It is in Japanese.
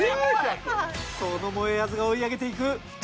そのもえあずが追い上げていく。